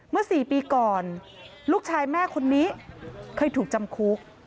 เมื่อ๔ปีก่อนลูกชายแม่คนนี้เคยถูกจำคุก